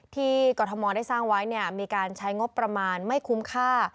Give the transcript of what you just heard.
กรทมได้สร้างไว้มีการใช้งบประมาณไม่คุ้มค่า